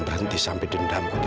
bukan saya rapat